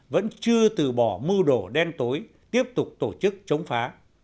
vẫn chưa từ bỏ mưu đồ đen tối tiếp tục tổ chức chống phá